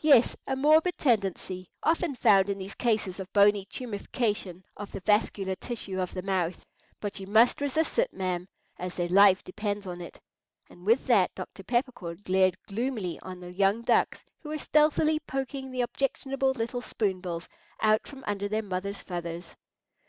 "Yes, a morbid tendency often found in these cases of bony tumification of the vascular tissue of the mouth; but you must resist it, ma'am, as their life depends upon it." And with that Dr. Peppercorn glared gloomily on the young ducks, who were stealthily poking the objectionable little spoon bills out from under their mother's feathers.